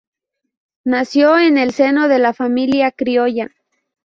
Nació en el seno de la familia criolla.